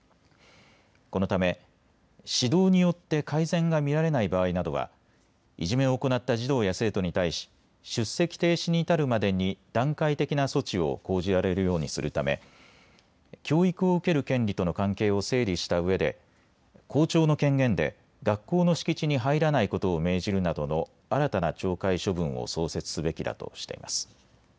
このため指導によって改善が見られない場合などはいじめを行った児童や生徒に対し出席停止に至るまでに段階的な措置を講じられるようにするため教育を受ける権利との関係を整理したうえで校長の権限で学校の敷地に入らないことを命じるなどの新たな懲戒処分を創設すべきだとしています。